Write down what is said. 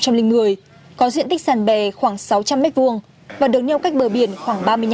có diện tích sàn bè khoảng sáu trăm linh m hai và được nhau cách bờ biển khoảng ba mươi năm